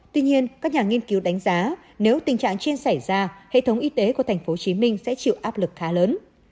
tuy nhiên các nhà nghiên cứu đánh giá nếu tình trạng trên xảy ra hệ thống y tế của tp hcm sẽ chịu áp lực khá lớn